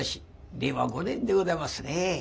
令和５年でございますね。